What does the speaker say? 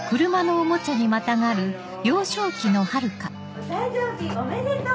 お誕生日おめでとう！